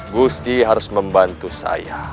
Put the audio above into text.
gusti harus membantu saya